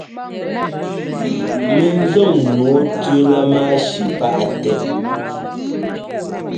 Mɛnzɔn nǔu tú lámáshi páʼtɛ́.